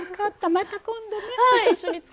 また今度ね。